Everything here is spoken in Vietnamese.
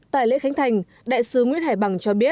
tại lễ khánh thành đại sứ nguyễn hải bằng cho biết